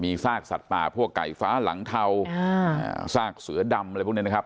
ซากสัตว์ป่าพวกไก่ฟ้าหลังเทาซากเสือดำอะไรพวกนี้นะครับ